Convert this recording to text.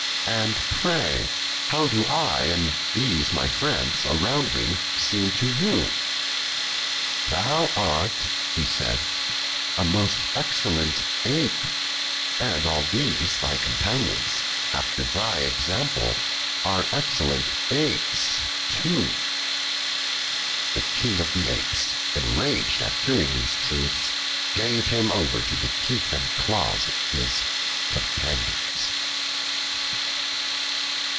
"And pray how do I and these my friends around me seem to you?" "Thou art," he said, "a most excellent Ape, and all these thy companions after thy example are excellent Apes too." The King of the Apes, enraged at hearing these truths, gave him over to the teeth and claws of his companions.